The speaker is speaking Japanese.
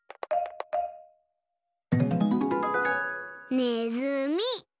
ねずみ。